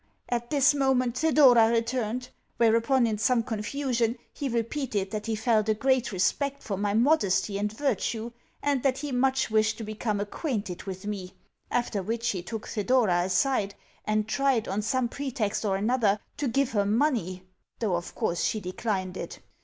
At this moment Thedora returned; whereupon, in some confusion, he repeated that he felt a great respect for my modesty and virtue, and that he much wished to become acquainted with me; after which he took Thedora aside, and tried, on some pretext or another, to give her money (though of course she declined it).